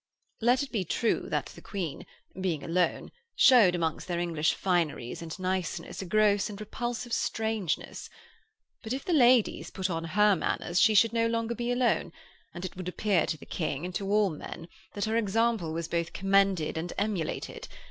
Let it be true that the Queen, being alone, showed amongst their English fineries and nicenesses a gross and repulsive strangeness. But if their ladies put on her manners she should no longer be alone, and it would appear to the King and to all men that her example was both commended and emulated.